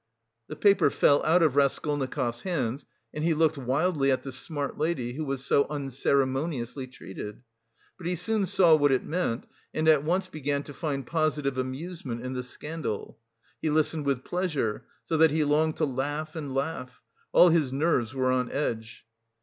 The paper fell out of Raskolnikov's hands, and he looked wildly at the smart lady who was so unceremoniously treated. But he soon saw what it meant, and at once began to find positive amusement in the scandal. He listened with pleasure, so that he longed to laugh and laugh... all his nerves were on edge.